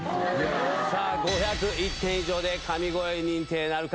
さあ、５０１点以上で神声認定なるか。